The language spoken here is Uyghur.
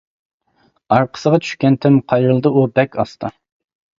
ئارقىسىغا چۈشكەنتىم، قايرىلدى ئۇ بەك ئاستا.